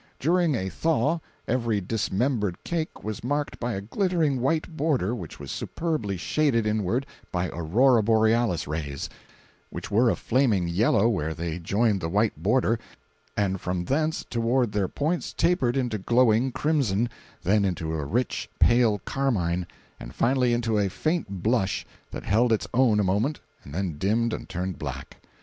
During a "thaw," every dismembered cake was marked by a glittering white border which was superbly shaded inward by aurora borealis rays, which were a flaming yellow where they joined the white border, and from thence toward their points tapered into glowing crimson, then into a rich, pale carmine, and finally into a faint blush that held its own a moment and then dimmed and turned black.